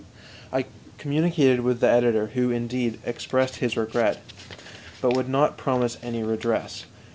I communicated with the editor, who, indeed, expressed his regret, but would not promise any redress.